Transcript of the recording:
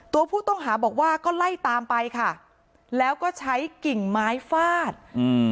ตัวผู้ต้องหาบอกว่าก็ไล่ตามไปค่ะแล้วก็ใช้กิ่งไม้ฟาดอืม